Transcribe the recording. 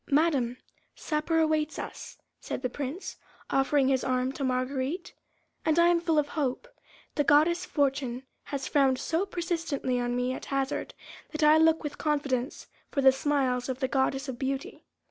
"Madame, supper awaits us," said the Prince, offering his arm to Marguerite, "and I am full of hope. The goddess Fortune has frowned so persistently on me at hazard, that I look with confidence for the smiles of the goddess of Beauty."